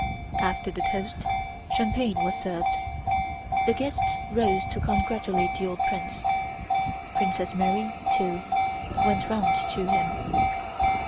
After the roast, champagne was served. The guests rose to congratulate the old prince. Princess Mary, too, went round to him.